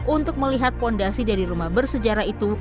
untuk melihat fondasi dari rumah bersejarah itu